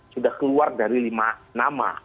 sudah keluar dari lima nama